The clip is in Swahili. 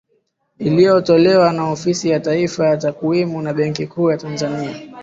iliyotolewa na Ofisi ya Taifa ya Takwimu na Benki Kuu ya Tanzania